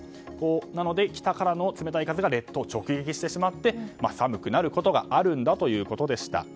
なので北からの冷たい風が列島を直撃してしまって寒くなることがあるということです。